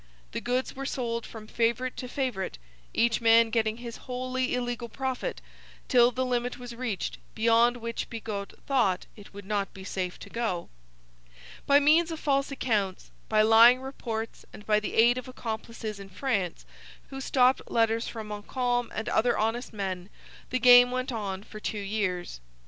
The goods were sold from favourite to favourite, each man getting his wholly illegal profit, till the limit was reached beyond which Bigot thought it would not be safe to go. By means of false accounts, by lying reports and by the aid of accomplices in France who stopped letters from Montcalm and other honest men, the game went on for two years.